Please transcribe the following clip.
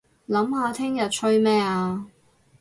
諗下聽日吹咩吖